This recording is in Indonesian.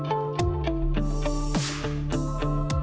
a cater kulitnya